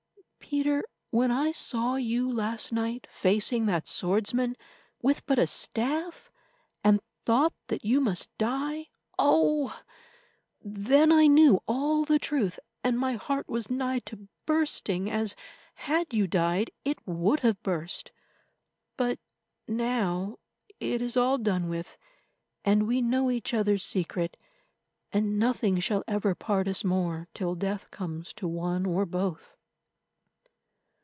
Peter, when I saw you last night facing that swordsman with but a staff, and thought that you must die, oh! then I knew all the truth, and my heart was nigh to bursting, as, had you died, it would have burst. But now it is all done with, and we know each other's secret, and nothing shall ever part us more till death comes to one or both."